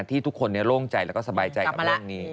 ที่ทุกคนโล่งใจแล้วก็สบายใจกับเรื่องนี้